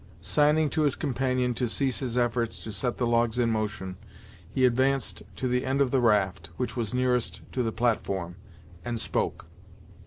Signing to his companion to cease his efforts to set the logs in motion, he advanced to the end of the raft which was nearest to the platform, and spoke.